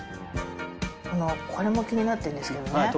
これも気になってるんですけどね。